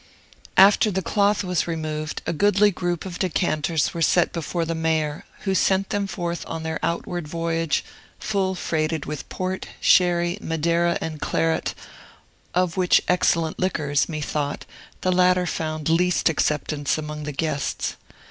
After the cloth was removed, a goodly group of decanters were set before the Mayor, who sent them forth on their outward voyage, full freighted with Port, Sherry, Madeira, and Claret, of which excellent liquors, methought, the latter found least acceptance among the guests.